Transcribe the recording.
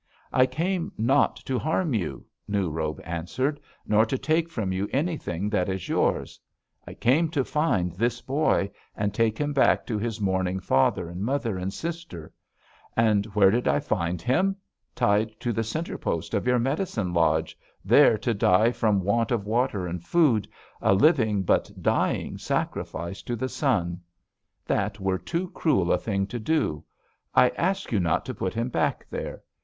"'I came not to harm you,' New Robe answered, 'nor to take from you anything that is yours. I came to find this boy, and take him back to his mourning father and mother and sister. And where did I find him! Tied to the center post of your medicine lodge, there to die from want of water and food, a living but dying sacrifice to the sun! That were too cruel a thing to do. I ask you not to put him back there.